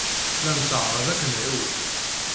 La netteɛṛaḍ ad k-nɛiwen.